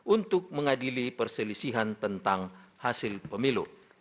untuk mengadili perselisihan tentang hasil pemilu